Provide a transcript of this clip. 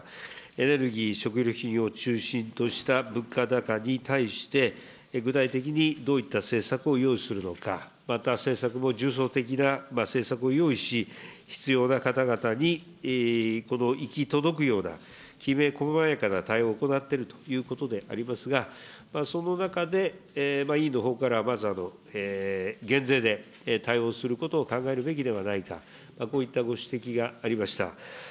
エネルギー、食料品を中心とした物価高に対して、具体的にどういった政策を用意するのか、また、政策も重層的な政策を用意し、必要な方々に行き届くような、きめ細やかな対応を行っているということでありますが、その中で、委員のほうからまず、減税で対応することを考えるべきではないか、こういったご指摘がありました。